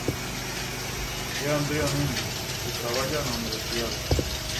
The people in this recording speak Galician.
É Andrea Nunes e traballa na Universidade.